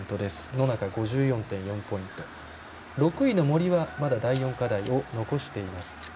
野中、５４．４ポイント６位の森は、まだ第４課題を残しています。